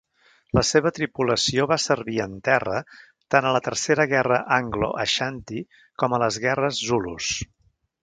La seva tripulació va servir en terra tant a la tercera guerra Anglo-Ashanti com a les guerres Zulus.